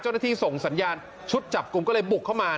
ส่งสัญญาณชุดจับกลุ่มก็เลยบุกเข้ามา